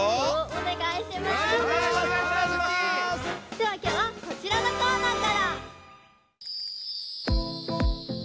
ではきょうはこちらのコーナーから！